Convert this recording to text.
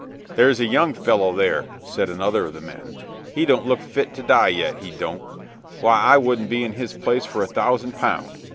"There's a young fellow there," said another of the men; "he don't look fit to die yet, he don't. Why, I wouldn't be in his place for a thousand pound."